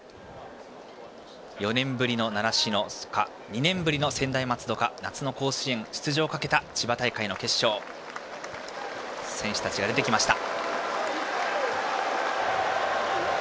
４年ぶりの習志野か２年ぶりの専大松戸か夏の甲子園、出場をかけた千葉大会の決勝選手たちが出てきました。